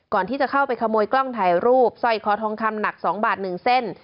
ก่อนที่จะเข้าไปขโมยกล้องถ่ายรูปสร้อยคอทองคำหนัก๒บาท๑เส้น